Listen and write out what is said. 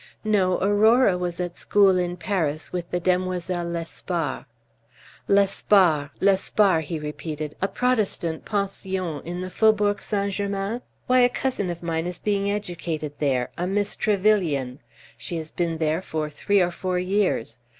"No; Aurora was at school in Paris with the Demoiselles Lespard." "Lespard Lespard!" he repeated; "a Protestant pension in the Faubourg Saint Germain? Why, a cousin of mine is being educated there a Miss Trevyllian. She has been there for three or four years.